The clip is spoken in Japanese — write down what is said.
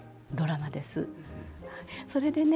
それでね